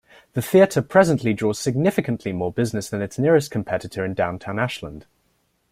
The theater presently draws significantly more business than its nearest competitor in downtown Ashland.